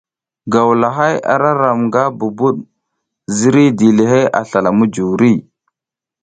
Gawlahay aram le nga bubud ziriy dilihey a slala mujuri.